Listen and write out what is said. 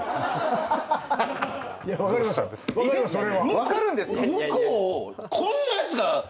分かるんですか！？